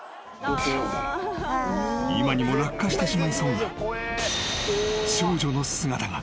［今にも落下してしまいそうな少女の姿が］